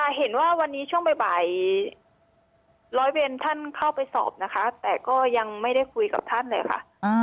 เห็นว่าวันนี้ช่วงบ่ายร้อยเวรท่านเข้าไปสอบนะคะแต่ก็ยังไม่ได้คุยกับท่านเลยค่ะ